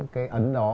cái ấn đó